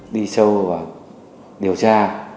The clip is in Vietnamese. đi sâu và điều tra